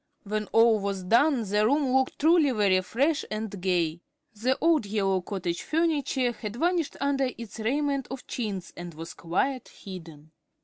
When all was done the room looked truly very fresh and gay. The old yellow "cottage furniture" had vanished under its raiment of chintz and was quite hidden.